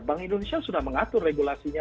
bank indonesia sudah mengatur regulasinya